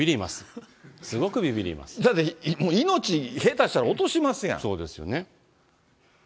すごくびびりまだって命、下手したら落としそうですよね。